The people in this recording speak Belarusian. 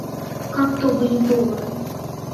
Каб то былі долары!